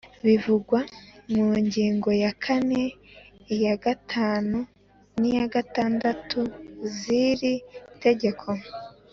bivugwa mu ngingo ya kane iya gatanu n iya gatandatu z iri tegeko